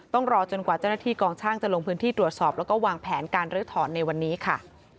ต้องรอจนกว่าเจ้าหน้าที่กองช่างจะลงพื้นที่ตรวจสอบแล้วก็วางแผนการลื้อถอนในวันนี้ค่ะ